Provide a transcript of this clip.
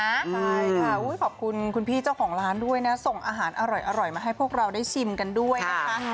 ใช่ค่ะขอบคุณคุณพี่เจ้าของร้านด้วยนะส่งอาหารอร่อยมาให้พวกเราได้ชิมกันด้วยนะคะ